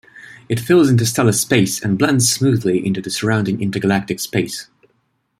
It fills interstellar space and blends smoothly into the surrounding intergalactic space.